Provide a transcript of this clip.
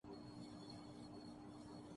پسینہ خشک ہونے سے پہلے مزدوری دے دو